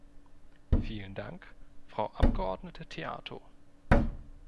Vielen Dank, Frau Abgeordnete Theato.